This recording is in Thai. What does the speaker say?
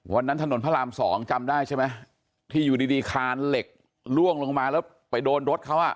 วันนั้นถนนพระรามสองจำได้ใช่ไหมที่อยู่ดีดีคานเหล็กล่วงลงมาแล้วไปโดนรถเขาอ่ะ